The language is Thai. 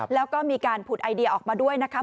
แล้วก็มีการผุดไอเดียออกมาด้วยนะคะ